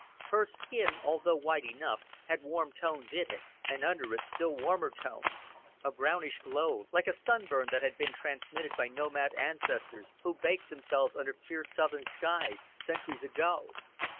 Her skin, although white enough, had warm tones in it, and under it still warmer tones a brownish glow, like a sunburn that had been transmitted by nomad ancestors who baked themselves under fierce southern skies centuries ago.